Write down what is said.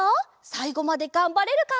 さいごまでがんばれるか？